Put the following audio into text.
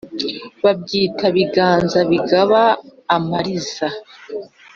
Bakitwa "biganza bigaba amariza".